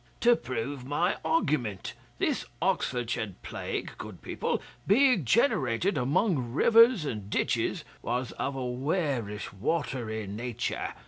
'To prove my argument. This Oxfordshire plague, good people, being generated among rivers and ditches, was of a werish, watery nature.